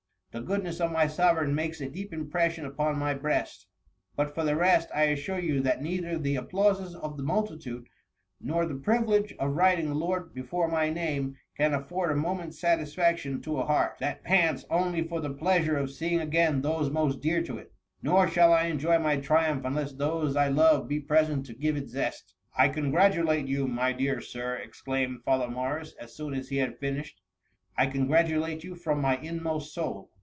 The goodness of my sovereign makes a deep im pression upon my breast ; but for the rest, I assure you that neither the applauses of the multitude, nor the privilege of writing Lord before my name, can afford a moment's satis faction to a heart that pants only for the plea^ sure of seeing again those most dear to it; nor shall I enjoy my triumph unless those I love be present to give it zest." " I congratulate you, my dear sir!" ex claimed Father Morris, as soon as he had finish ed ; I congratulate you from my inmost soul